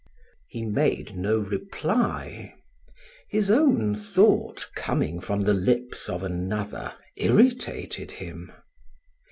He made no reply; his own thought coming from the lips of another irritated him.